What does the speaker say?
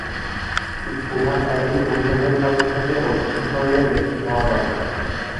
গুহা ডাইভিং অনুসন্ধানকারী হতে অদ্ভুত ধরনের ব্যক্তি হওয়া দরকার।